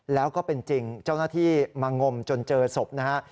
แล้วก็เป็นจริงเจ้าหน้าที่มางมจนเจอศพนะฮะ